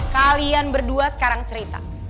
kalian berdua sekarang cerita